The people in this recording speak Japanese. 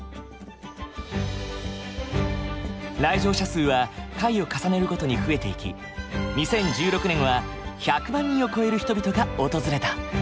来場者数は回を重ねるごとに増えていき２０１６年は１００万人を超える人々が訪れた。